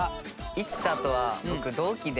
一太とは僕同期で。